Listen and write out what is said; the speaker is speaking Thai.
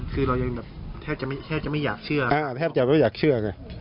คือเรายังแบบแทบจะไม่อยากเชื่อแทบจะไม่อยากเชื่อไง